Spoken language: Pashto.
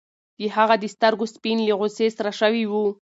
د هغه د سترګو سپین له غوسې سره شوي وو.